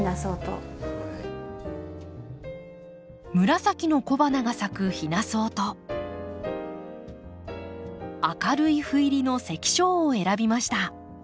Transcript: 紫の小花が咲くヒナソウと明るい斑入りのセキショウを選びました。